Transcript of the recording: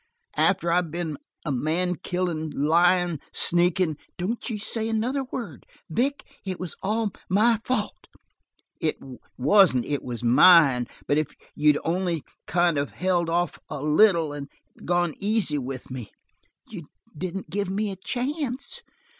"After I been a man killin', lyin', sneakin' " "Don't you say another word. Vic, it was all my fault." "It wasn't. It was mine. But if you'd only kind of held off a little and gone easy with me." "You didn't give me a chance."